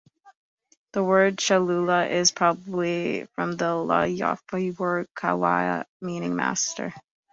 The word "Cahuilla" is probably from the Ivilyuat word "kawi'a", meaning "master.